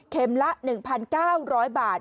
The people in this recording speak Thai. เข็มละ๑๙๐๐บาท